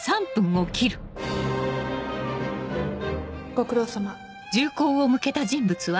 ご苦労さま。